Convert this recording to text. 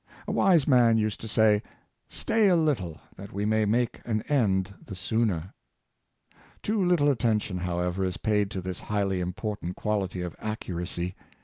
A wise man used to say, ''Stay a little, that we may make an end the sooner.'' Too little attention, however, is paid to this highly important quality of accuracy.